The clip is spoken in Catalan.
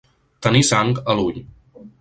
Tenir sang a l'ull.